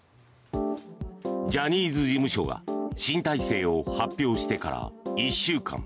ジャニーズ事務所が新体制を発表してから１週間。